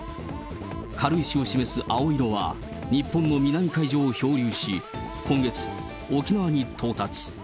軽石を示す青色は日本の南海上を漂流し、今月、沖縄に到達。